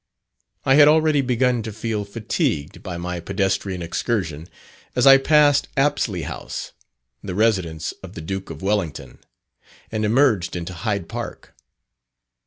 I had already begun to feel fatigued by my pedestrian excursion as I passed "Apsley House," the residence of the Duke of Wellington, and emerged into Hyde Park.